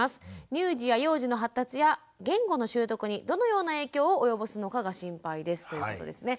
乳児や幼児の発達や言語の習得にどのような影響を及ぼすのかが心配です」ということですね。